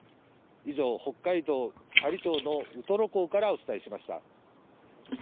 以上、北海道斜里町のウトロ港からお伝えしました。